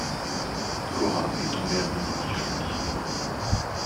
Cora est tombée amoureuse du journaliste.